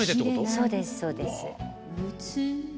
そうですそうです。